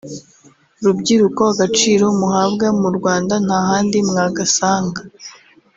rubyiruko agaciro muhabwa mu Rwanda nta handi mwagasanga